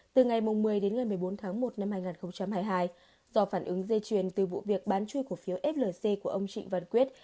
từ ngày một mươi một mươi bốn một hai nghìn hai mươi hai do phản ứng dây chuyền từ vụ việc bán chui cổ phiếu flc của ông trịnh văn quyết